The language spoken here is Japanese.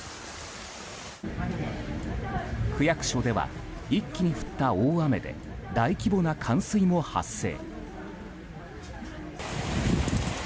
区役所では一気に降った大雨で大規模な冠水も発生。